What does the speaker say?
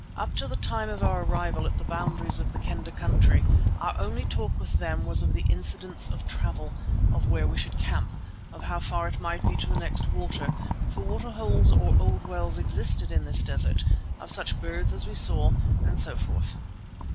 Up to the time of our arrival at the boundaries of the Kendah country, our only talk with them was of the incidents of travel, of where we should camp, of how far it might be to the next water, for water holes or old wells existed in this desert, of such birds as we saw, and so forth.